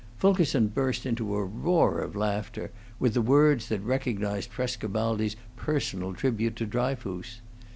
Fulkerson burst into a roar of laughter with the words that recognized Frescobaldi's personal tribute to Dryfoos.